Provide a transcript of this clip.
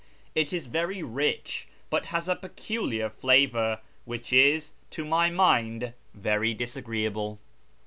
It is very rich, but has a peculiar flavour, which is, to my mind, very disagreeable.